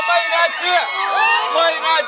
ไม่ง่าเชื่อทำสำเร็จ